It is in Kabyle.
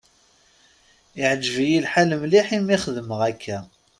Iεǧeb-yi lḥal mliḥ imi xedmeɣ akka.